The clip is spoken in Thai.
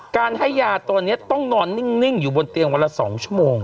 การให้ยาตัวนี้ต้องนอนนิ่งอยู่บนเตียงวันละ๒ชั่วโมง